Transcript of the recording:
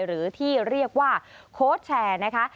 หรือที่เรียกว่าโค้ชแชร์นะคะ